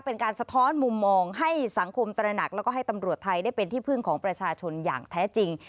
สะท้อนมุมมองให้สังคมตระหนักแล้วก็ให้ตำรวจไทยได้เป็นที่พึ่งของประชาชนอย่างแท้จริง